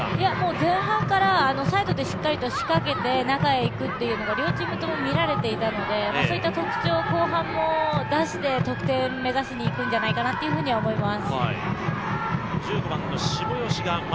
前半からサイドでしっかりと仕掛けて中へ行くというのが両チームとも見られていたのでそういった特徴を後半も出して、得点に目指しにいくんじゃないかなと思います。